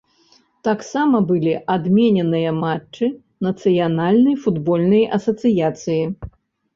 Таксама былі адмененыя матчы нацыянальнай футбольнай асацыяцыі.